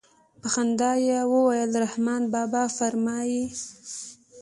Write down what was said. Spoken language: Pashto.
په خندا يې وويل رحمان بابا فرمايي.